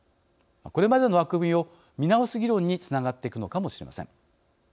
これまでの枠組みを見直す議論につながっていくのかもしれません。